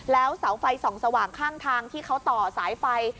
แล้วเสาไฟส่องสว่างข้างทางที่เขาต่อสายไฟ